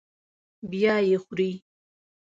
بیا یې خوري.